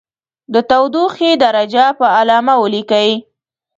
د تودوخې درجه په علامه ولیکئ.